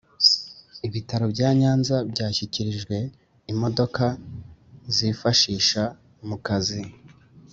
Ibitaro bya Nyanza byashyikirijwe imodoka zifashisha mu kazi